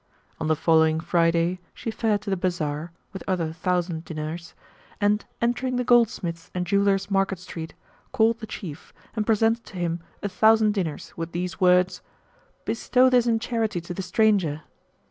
On the following Friday she fared to the bazar (with other thousand dinars) and, entering the goldsmiths' and jewellers' market street, called the Chief and presented to him a thousand dinars with these words, "Bestow this in charity to the stranger!"